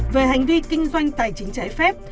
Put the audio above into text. về hành vi kinh doanh tài chính trái phép